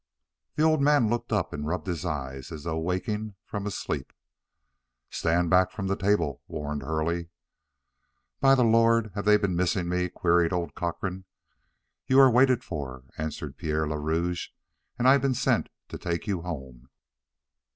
The old man looked up and rubbed his eyes as though waking from a sleep. "Stand back from the table!" warned Hurley. "By the Lord, have they been missing me?" queried old Cochrane. "You are waited for," answered Pierre le Rouge, "and I've been sent to take you home."